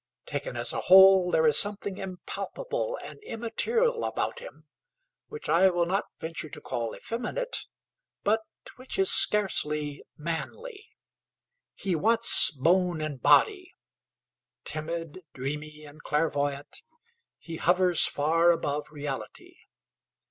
Taken as a whole, there is something impalpable and immaterial about him, which I will not venture to call effeminate, but which is scarcely manly. He wants bone and body: timid, dreamy, and clairvoyant, he hovers far above reality.